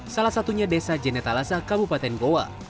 salah satunya desa jenetalasa kabupaten goa